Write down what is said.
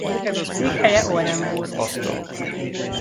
Székhelye Orenburg.